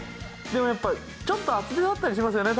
でもやっぱちょっと厚手だったりしますよね